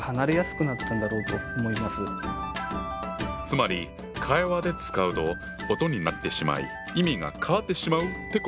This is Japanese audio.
つまり会話で使うと音になってしまい意味が変わってしまうってことか。